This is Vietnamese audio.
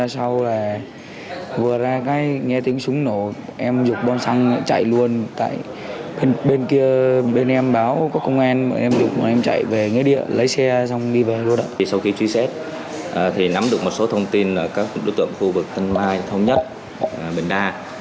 sau khi truy xét nắm được một số thông tin các đối tượng khu vực tân mai thông nhất bình đa